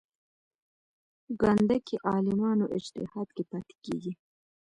ګانده کې عالمانو اجتهاد کې پاتې کېږي.